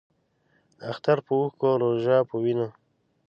اختر پۀ اوښکو ، روژۀ پۀ وینو